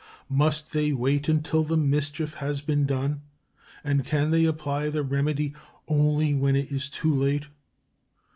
Must they wait until the mischief has been done, and can they apply the remedy only when it is too late?